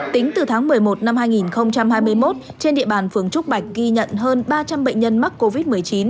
tính từ tháng một mươi một năm hai nghìn hai mươi một trên địa bàn phường trúc bạch ghi nhận hơn ba trăm linh bệnh nhân mắc covid một mươi chín